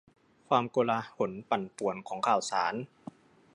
ความโกลาหลปั่นป่วนของข่าวสาร